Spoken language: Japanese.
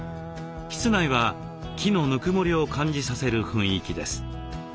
室内は木のぬくもりを感じさせる雰囲気です。